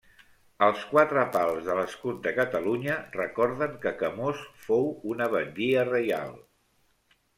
Els quatre pals de l'escut de Catalunya recorden que Camós fou una batllia reial.